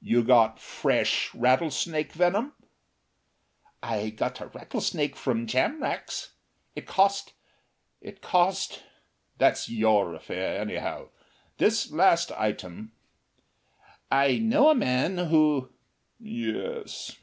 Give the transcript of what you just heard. You got FRESH rattlesnake venom." "I got a rattlesnake from Jamrach's. It cost it cost " "That's your affair, anyhow. This last item " "I know a man who " "Yes.